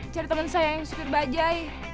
cari teman saya yang supir bajai